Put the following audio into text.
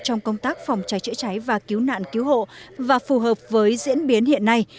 trong công tác phòng cháy chữa cháy và cứu nạn cứu hộ và phù hợp với diễn biến hiện nay